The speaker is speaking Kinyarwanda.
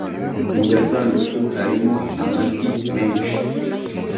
Mu gasanduku harimo amagi menshi.